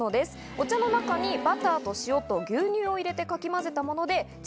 お茶の中にバターと塩と牛乳を入れてかき混ぜたもので。